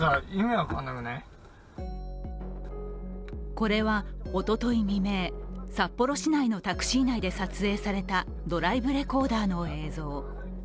これはおととい未明、札幌市内のタクシー内で撮影されたドライブレコーダーの映像。